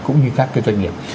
cũng như các cái doanh nghiệp